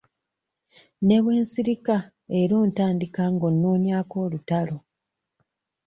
Ne bwe nsirika era ontandika ng'onnoonyaako olutalo.